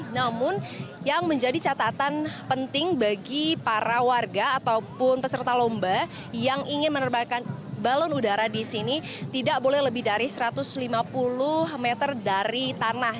namun yang menjadi catatan penting bagi para warga ataupun peserta lomba yang ingin menerbangkan balon udara di sini tidak boleh lebih dari satu ratus lima puluh meter dari tanah